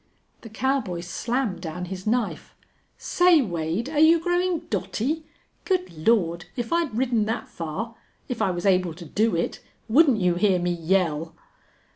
The cowboy slammed down his knife. "Say, Wade, are you growing dotty? Good Lord! if I'd ridden that far if I was able to do it wouldn't you hear me yell?"